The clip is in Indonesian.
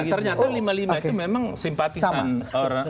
ternyata lima lima itu memang simpatisan